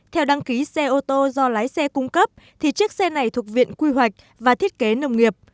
theo đăng ký xe ô tô do lái xe cung cấp thì chiếc xe này thuộc viện quy hoạch và thiết kế nông nghiệp